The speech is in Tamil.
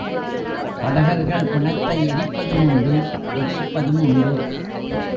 படகர்கள் பிணத்தை எரிப்பதும் உண்டு புதைப்பதும் உண்டு.